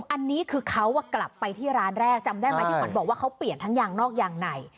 อันนี้คือเขากลับไปที่ร้านแรกจำได้ไหมที่ขวัญบอกว่าเขาเปลี่ยนทั้งยางนอกยางใน